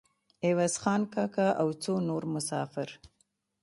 عوض خان کاکا او څو نور مسافر.